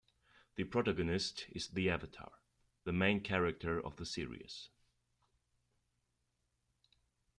The protagonist is the Avatar, the main character of the series.